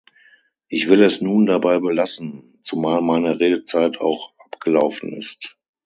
Ich will es nun dabei belassen, zumal meine Redezeit auch abgelaufen ist.